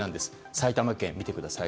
埼玉県を見てください。